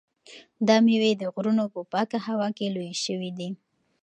دا مېوې د غرونو په پاکه هوا کې لویې شوي دي.